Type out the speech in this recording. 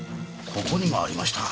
ここにもありました。